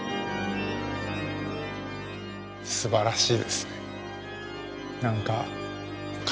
すばらしいですね。